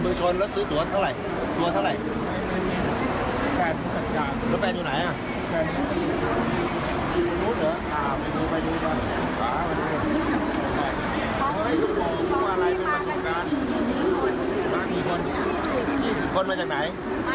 มาจากประธูมิมาจากลางโบรอีที